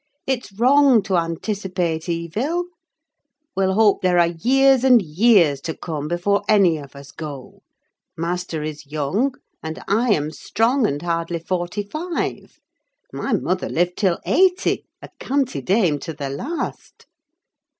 "It's wrong to anticipate evil. We'll hope there are years and years to come before any of us go: master is young, and I am strong, and hardly forty five. My mother lived till eighty, a canty dame to the last.